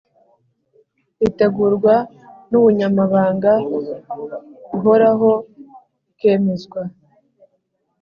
itegurwa n’ubunyamabanga guhoraho ikemezwa